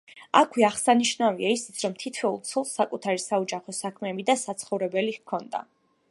აქვე აღსანიშნავია ისიც, რომ თითოეულ ცოლს საკუთარი საოჯახო საქმე და საცხოვრებელი ჰქონდა.